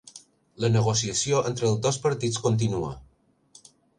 La negociació entre els dos partits continua